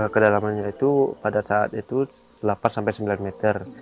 kedalamannya itu pada saat itu delapan sampai sembilan meter